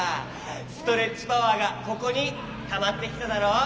ストレッチパワーがここにたまってきただろ。